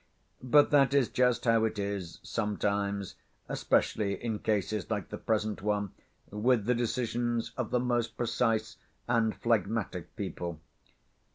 But that is just how it is, sometimes, especially in cases like the present one, with the decisions of the most precise and phlegmatic people.